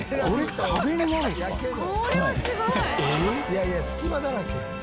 「いやいや隙間だらけやん」